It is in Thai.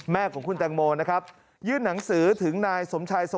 แม่ของคุณแตงโมยื่นหนังสือถึงนายสมชัยสวัย